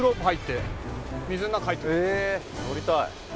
へえ乗りたい。